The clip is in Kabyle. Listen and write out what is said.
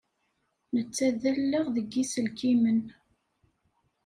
Netta d allaɣ deg yiselkimen.